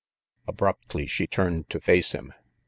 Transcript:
Abruptly she turned to face him.